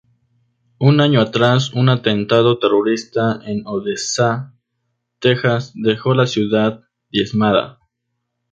Un año atrás, un atentado terrorista en Odessa, Texas, dejó la ciudad diezmada.